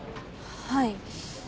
はい。